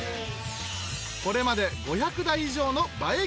これまで５００台以上の映え